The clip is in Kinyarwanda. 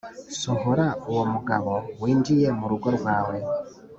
Sohora uwo mugabo winjiye murugo rwawe